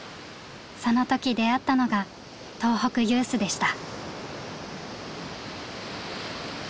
その時出会ったのが東北ユースでした。